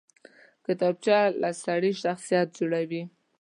کتابچه له سړي شخصیت جوړوي